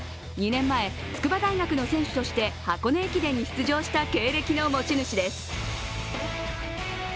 ２年前、筑波大学の選手として箱根駅伝に出場した経歴の持ち主です。